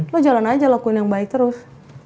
lo jalan aja lakuin yang baik terus